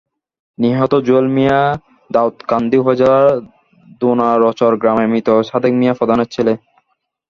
নিহত জুয়েল মিয়া দাউদকান্দি উপজেলার দোনারচর গ্রামের মৃত ছাদেক মিয়া প্রধানের ছেলে।